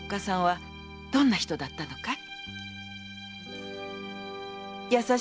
さんはどんな人だったのかい？